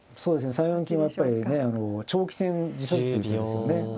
３四金はやっぱりね長期戦辞さずという手ですよね。